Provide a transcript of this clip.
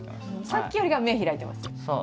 さっきよりかは目開いてます。